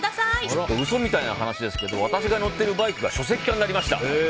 ちょっと嘘みたいな話ですけど私が乗っているバイクが書籍化になりました。